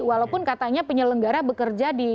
walaupun katanya penyelenggara bekerja di